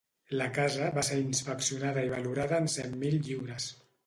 La casa va ser inspeccionada i valorada en cent mil lliures.